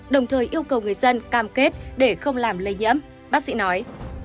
đồng thời yêu cầu người dân cam kết để không làm lây nhiễm bác sĩ nói